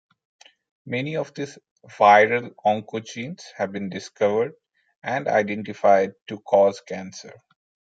Many of these viral oncogenes have been discovered and identified to cause cancer.